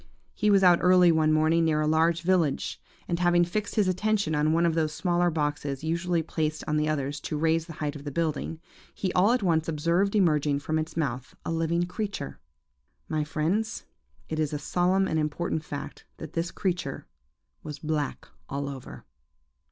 He was out early one morning, near a large village, and having fixed his attention on one of those smaller boxes usually placed on the others to raise the height of the building, he all at once observed emerging from its mouth a living creature. My friends, it is a solemn and important fact that this creature was black all over.